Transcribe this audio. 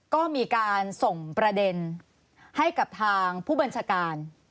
ก็มีการส่งประเด็นให้กับทางผู้บัญชาการ